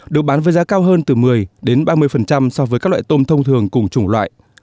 được bán với giá cao hơn từ một mươi đến ba mươi so với các loại tôm thông thường cùng chủng loại